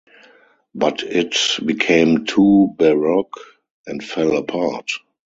But it became too baroque and fell apart.